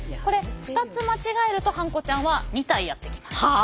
これ２つ間違えるとハンコちゃんは２体やって来ます。